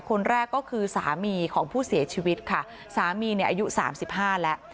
คนแรกก็คือสามีของผู้เสียชีวิตค่ะสามีอายุ๓๕แล้ว